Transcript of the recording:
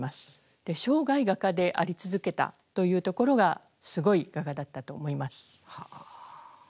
で生涯画家であり続けたというところがすごい画家だったと思います。